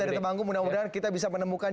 dari temanggung mudah mudahan kita bisa menemukan